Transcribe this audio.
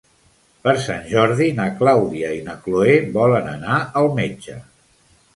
Per Sant Jordi na Clàudia i na Cloè volen anar al metge.